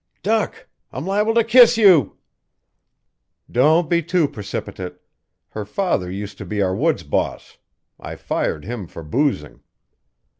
"Duck! I'm liable to kiss you." "Don't be too precipitate. Her father used to be our woods boss. I fired him for boozing."